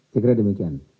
saya kira demikian